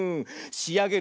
しあげるよ。